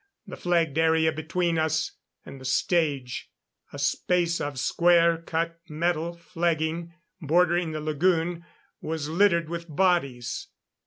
The flagged area between us and the stage a space of square cut metal flagging, bordering the lagoon was littered with bodies.